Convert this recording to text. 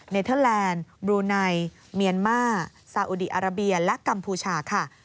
เทอร์แลนด์บลูไนเมียนมาร์ซาอุดีอาราเบียและกัมพูชาค่ะ